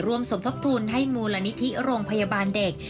สมทบทุนให้มูลนิธิโรงพยาบาลเด็ก